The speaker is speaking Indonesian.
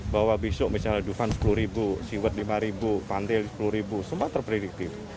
bahwa besok misalnya duvan sepuluh ribu siwat lima ribu pantai sepuluh ribu semua terprediktif